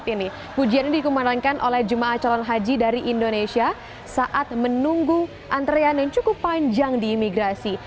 ini pujian yang dikembangkan oleh jemaah calon haji dari indonesia saat menunggu antrian yang cukup panjang di imigrasi